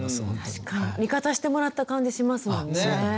確かに。味方してもらった感じしますもんね。